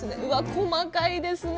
細かいですね